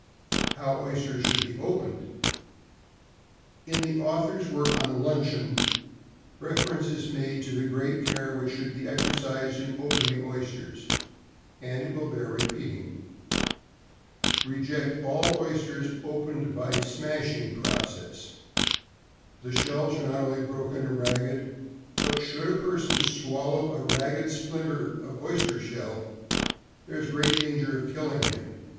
=How Oysters should be opened.= In the author's work on "Luncheon," reference is made to the great care which should be exercised in opening oysters; and it will bear repeating. Reject all oysters opened by the "smashing" process. The shells are not only broken and ragged, but, should a person swallow a ragged splinter of oyster shell, there is great danger of its killing him.